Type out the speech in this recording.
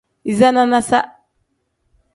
Iza nanasa.